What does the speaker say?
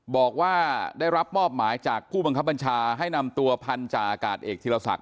บอกว่าได้รับมอบหมายจากผู้บังคับบัญชาให้นำตัวพันธาอากาศเอกธีรศักดิ